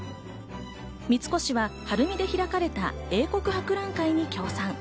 三越は晴海で開かれた英国博覧会に協賛。